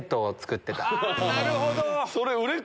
なるほど！